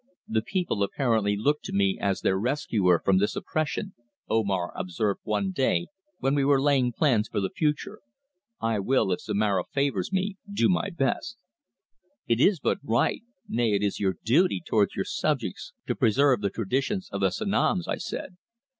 "The people apparently look to me as their rescuer from this oppression," Omar observed one day when we were laying plans for the future. "I will, if Zomara favours me, do my best." "It is but right; nay, it is your duty towards your subjects to preserve the traditions of the Sanoms," I said.